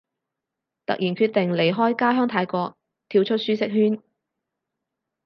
突然決定離開家鄉泰國，跳出舒適圈